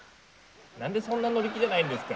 なんでそんな乗り気じゃないんですか？